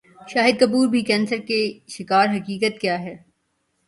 شاہد کپور بھی کینسر کے شکار حقیقت کیا ہے